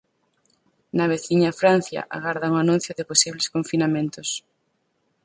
Na veciña Francia, agardan o anuncio de posibles confinamentos.